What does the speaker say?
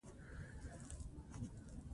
افغانستان د پسه په برخه کې نړیوال شهرت لري.